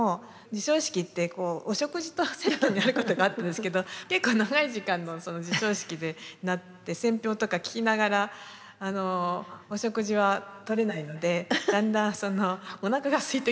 授賞式ってお食事とセットになることがあったんですけど結構長い時間の授賞式になって選評とか聞きながらお食事はとれないのでだんだんおなかがすいてきましてですね